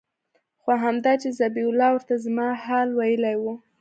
خو همدا چې ذبيح الله ورته زما حال ويلى و.